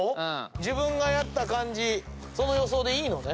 自分がやった感じその予想でいいのね？